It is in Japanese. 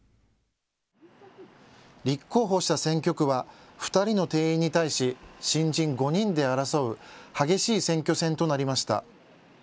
立候補した選挙区は２人の定員に対し新人５人で争う激しい選挙戦となりました。